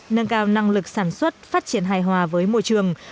nâng cao năng lực sản xuất phát triển hài hòa với môi trường